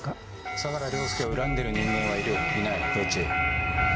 相良凌介を恨んでる人間はいるいないどっち？